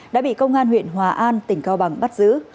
đã bị công an huyện hòa an tỉnh cao bằng bắt giữ